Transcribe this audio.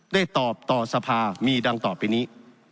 ได้ตอบต่อสภามีดังต่อไปนี้